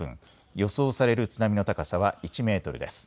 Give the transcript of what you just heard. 予想される津波の高さは１メートルです。